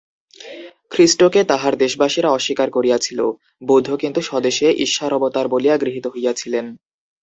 খ্রীষ্টকে তাঁহার দেশবাসীরা অস্বীকার করিয়াছিল, বুদ্ধ কিন্তু স্বদেশে ঈশ্বরাবতার বলিয়া গৃহীত হইয়াছিলেন।